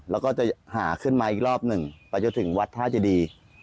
แล้วก็จะหาขึ้นมาอีกรอบหนึ่งไปจนถึงวัดท่าเจดี